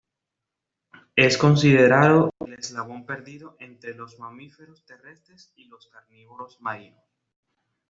Es considerado el eslabón perdido entre los mamíferos terrestres y los carnívoros marinos.